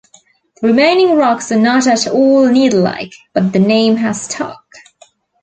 The remaining rocks are not at all needle-like, but the name has stuck.